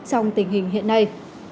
trong tình hình hiện nay